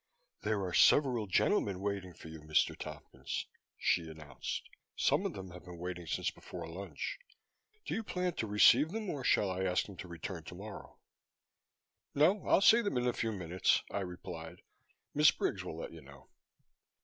"There are several gentlemen waiting for you, Mr. Tompkins," she announced. "Some of them have been here since before lunch. Do you plan to receive them or shall I ask them to return tomorrow?" "No, I'll see them in a few minutes," I replied. "Miss Briggs will let you know."